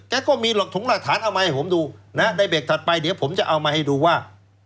แกก็มีหลอกถุงราฐานเอามาให้ผมดูใดเบกถัดไปเดี๋ยวผมจะเอามาให้ดูว่า